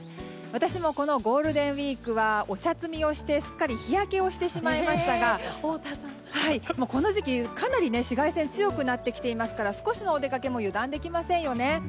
私もこのゴールデンウィークはお茶摘みをしてすっかり日焼けをしてしまいましたがこの時期、かなり紫外線が強くなってきていますから少しのお出かけも油断できませんよね。